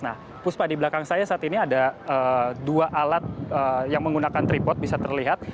nah puspa di belakang saya saat ini ada dua alat yang menggunakan tripot bisa terlihat